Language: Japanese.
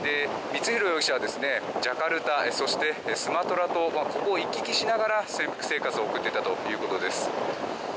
光弘容疑者はジャカルタそしてスマトラ島を行き来しながら潜伏生活を送っていたということです。